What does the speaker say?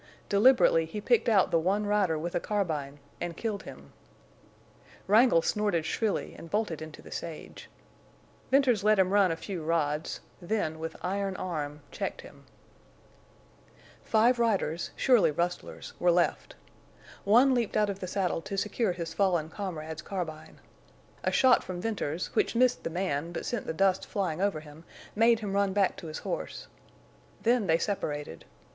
Deliberately he picked out the one rider with a carbine, and killed him. Wrangle snorted shrilly and bolted into the sage. Venters let him run a few rods, then with iron arm checked him. [Illustration: just as Wrangle plunged again he caught the whizz of a leaden missile] Five riders, surely rustlers, were left. One leaped out of the saddle to secure his fallen comrade's carbine. A shot from Venters, which missed the man but sent the dust flying over him made him run back to his horse. Then they separated.